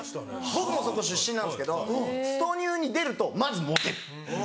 僕もそこ出身なんですけど『ストニュー』に出るとマジモテる。